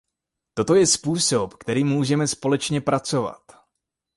Toto je způsob, kterým můžeme společně pracovat.